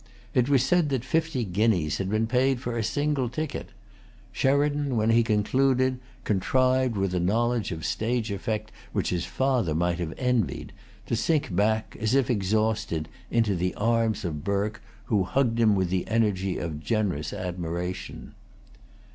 It was said that fifty guineas had been paid for a single ticket. Sheridan, when he concluded, contrived, with a knowledge of stage effect which his father might have envied, to sink back, as if exhausted, into the arms of Burke, who hugged him with the energy of generous admiration.